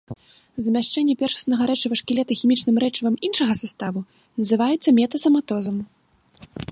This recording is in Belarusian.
Замяшчэнне першаснага рэчыва шкілета хімічным рэчывам іншага саставу называецца метасаматозам.